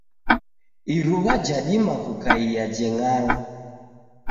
Iruwa jadima kukaia jeng'ala.